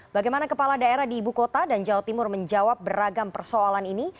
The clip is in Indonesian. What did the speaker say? bagaimana kepala daerah di ibu kota dan jawa timur menjawab beragam persoalan ini